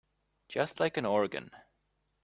Just like an organ.